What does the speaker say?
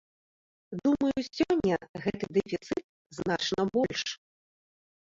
Думаю, сёння гэты дэфіцыт значна больш.